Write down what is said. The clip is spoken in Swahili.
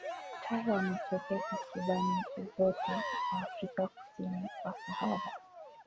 Taya wanatokea takriban nchi zote za Afrika kusini kwa Sahara.